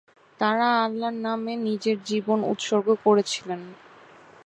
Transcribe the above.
তারা আল্লাহর নামে নিজের জীবন উৎসর্গ করেছিলেন।